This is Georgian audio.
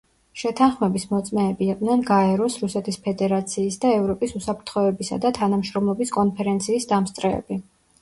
შეთანხმების მოწმეები იყვნენ გაეროს, რუსეთის ფედერაციის და ევროპის უსაფრთხოებისა და თანამშრომლობის კონფერენციის დამსწრეები.